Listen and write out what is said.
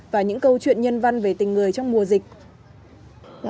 và những câu chuyện nhân văn về tình người trong mùa dịch